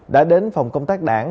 đã đến phòng công tác đảng